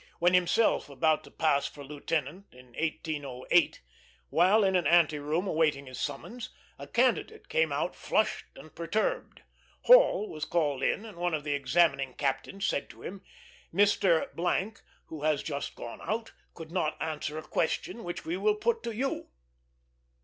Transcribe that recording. When himself about to pass for lieutenant, in 1808, while in an ante room awaiting his summons, a candidate came out flushed and perturbed. Hall was called in, and one of the examining captains said to him, "Mr. , who has just gone out, could not answer a question which we will put to you."